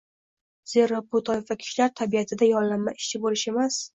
Zero bu toifa kishilar – tabiatida yollanma ishchi bo‘lish emas